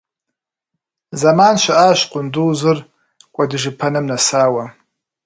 Зэман щыӀащ къундузыр кӀуэдыжыпэным нэсауэ.